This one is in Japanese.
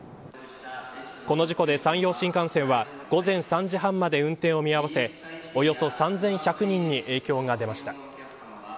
この事故で山陽新幹線は午前３時半まで運転を見合わせおよそ３１００人に影響が出ました。